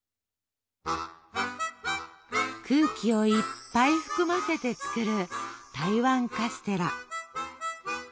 空気をいっぱい含ませて作る台湾カステラ。